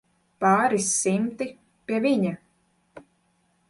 Pāris simti, pie viņa.